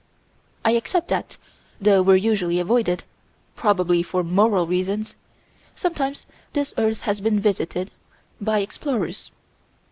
I accept that, though we're usually avoided, probably for moral reasons, sometimes this earth has been visited by explorers.